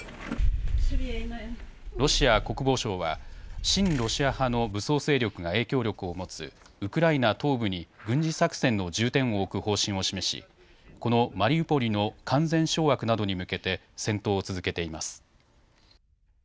ロシア国防省は親ロシア派の武装勢力が影響力を持つウクライナ東部に軍事作戦の重点を置く方針を示しこのマリウポリの完全掌握などに向けて戦闘を続けています。